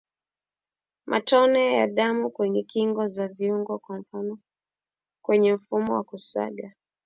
Matone ya damu kwenye kingo za viungo kwa mfano kwenye mfumo wa kusaga